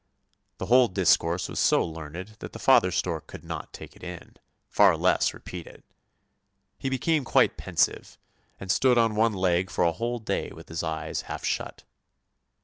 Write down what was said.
The whole discourse was so learned that the father stork could not take it in, far less repeat it. He became quite pensive and stood on one leg for a whole day with his eyes half shut.